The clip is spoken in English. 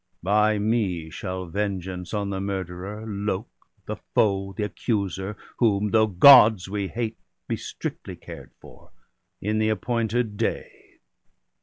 By me shall vengeance on the murderer Lok, The foe, the accuser, whom, though Gods, we hate, Be strictly cared for, in the appointed day.